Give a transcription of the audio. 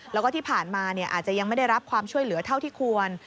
แล้วก็ที่ผ่านมาอาจจะยังไม่ได้รับความช่วยเหลือเท่าที่ควร